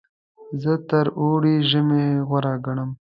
زه تر اوړي ژمی غوره ګڼم.